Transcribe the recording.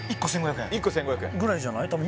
１個１５００円？ぐらいじゃないたぶん